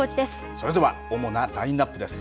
それではおもなラインアップです。